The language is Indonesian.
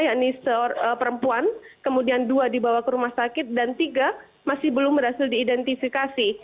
yakni perempuan kemudian dua dibawa ke rumah sakit dan tiga masih belum berhasil diidentifikasi